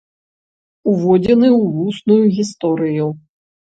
Уводзіны ў вусную гісторыю.